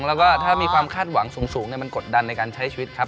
แล้วก็ถ้ามีความคาดหวังสูงมันกดดันในการใช้ชีวิตครับ